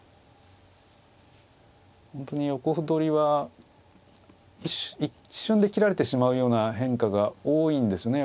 本当に横歩取りは一瞬で切られてしまうような変化が多いんですね。